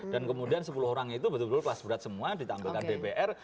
dan kemudian sepuluh orang itu betul betul kelas berat semua ditampilkan dpr